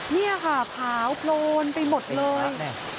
นี่ค่ะขาวโพลนไปหมดเลย